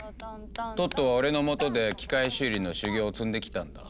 トットは俺の下で機械修理の修業を積んできたんだ。